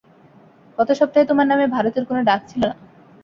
গত সপ্তাহে তোমার নামে ভারতের কোন ডাক ছিল না।